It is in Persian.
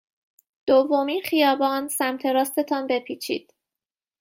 دومین خیابان سمت راست تان بپیچید.